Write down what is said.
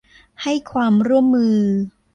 ให้ความร่วมมือ